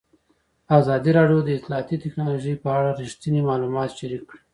ازادي راډیو د اطلاعاتی تکنالوژي په اړه رښتیني معلومات شریک کړي.